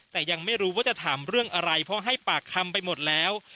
แต่ยังไม่รู้ว่าจะถามเรื่องอะไรเพราะให้ปากคำไปหมดแล้ว